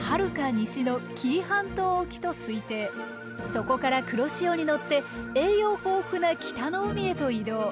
そこから黒潮に乗って栄養豊富な北の海へと移動。